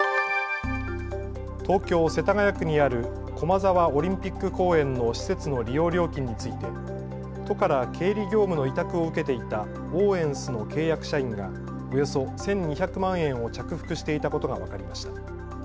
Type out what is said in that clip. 東京世田谷区にある駒沢オリンピック公園の施設の利用料金について都から経理業務の委託を受けていたオーエンスの契約社員がおよそ１２００万円を着服していたことが分かりました。